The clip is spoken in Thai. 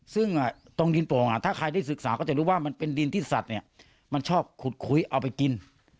ซึ่งตรงดินโป่งถ้าใครได้ศึกษาก็จะรู้ว่ามันเป็นดินที่สัตว์เนี่ยมันชอบขุดคุยเอาไปกิน